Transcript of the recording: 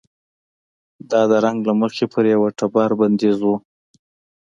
دا د رنګ له مخې پر یوه ټبر بندیز و.